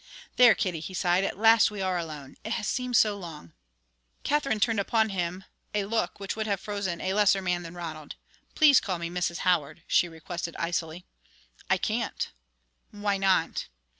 "There, Kitty," he sighed, "at last we are alone. It has seemed so long!" Katherine turned upon him a look which would have frozen a lesser man than Ronald. "Please call me Mrs. Howard," she requested, icily. "I can't." "Why not?"